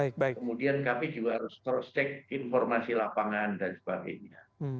kemudian kami juga harus cross check informasi lapangan dan sebagainya